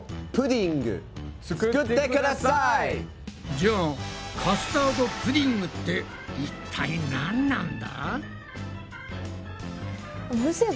じゃあ「カスタードプディング」っていったいなんなんだ？